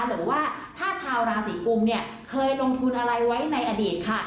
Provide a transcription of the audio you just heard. หรือว่าถ้าชาวราศีกุมเนี่ยเคยลงทุนอะไรไว้ในอดีตค่ะ